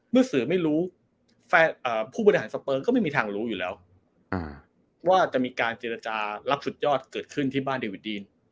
เมื่อสื่อไม่รู้ผู้บริหารสเปิงก็ไม่มีทางรู้อยู่แล้วว่าจะมีการเจรจารับสุดยอดเกิดขึ้นที่บ้านเดวิดดีน